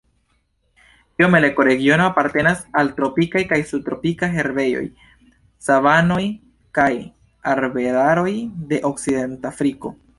Biome la ekoregiono apartenas al tropikaj kaj subtropikaj herbejoj, savanoj kaj arbedaroj de Okcidentafriko.